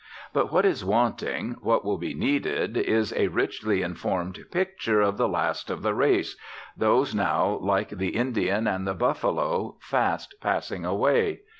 But what is wanting, what will be needed, is a richly informed picture of the last of the race, those now, like the Indian and the buffalo, fast passing away.